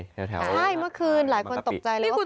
ใช่เมื่อคืนหลายคนตกใจเลยว่า